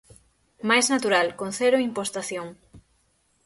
Mais natural, con cero impostación.